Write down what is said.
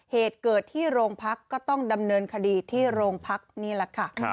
เหตุเกิดที่โรงพักก็ต้องดำเนินคดีที่โรงพักนี่แหละค่ะ